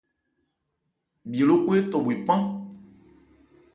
Bhye lókɔn étɔ bhwe pán.